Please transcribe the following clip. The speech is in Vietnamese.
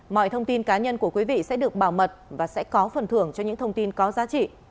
mọi thông tin cá nhân của quý vị sẽ được bảo mật và sẽ có phần thưởng cho những thông tin có giá trị